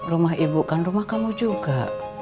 rumah ibu kan rumah kamu juga